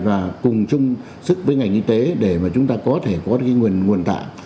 và cùng chung sức với ngành y tế để mà chúng ta có thể có nguồn tạng